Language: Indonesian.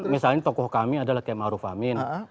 misalnya tokoh kami adalah km aruf amin